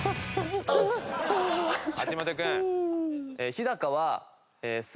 橋本君。